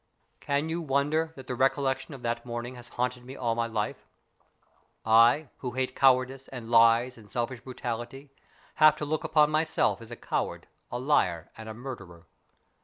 Can you wonder that the recollection of that morning has haunted me all my life ? I, who hate cowardice and lies and selfish brutality, have to look upon myself as a coward, a liar, and a murderer.